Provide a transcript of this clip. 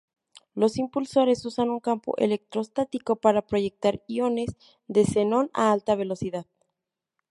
Los impulsores usan un campo electrostático para proyectar iones de xenón a alta velocidad.